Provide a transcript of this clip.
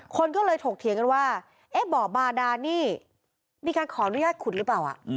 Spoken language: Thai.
คนก็เลยถกเถียงกันว่าเอ๊ะบ่อบาดานี่มีการขออนุญาตขุดหรือเปล่า